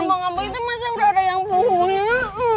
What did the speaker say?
aduh mama itu masih berada yang puhunya